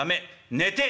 寝て！」。